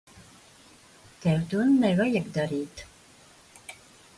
Tev to nevajag darīt.